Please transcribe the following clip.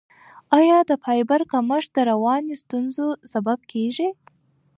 آیا د فایبر کمښت د رواني ستونزو سبب کیږي؟